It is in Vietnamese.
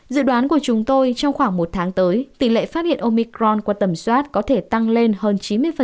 dự đoán của chúng tôi trong khoảng một tháng tới tỷ lệ phát hiện omicron qua tầm soát có thể tăng lên hơn chín mươi